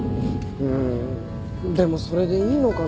うーんでもそれでいいのかな？